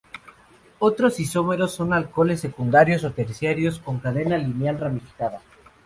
Otros isómeros son alcoholes secundarios o terciarios, con cadena lineal o ramificada.